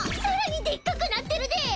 更にでっかくなってるで！